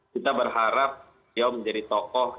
kita berharap beliau menjadi tokoh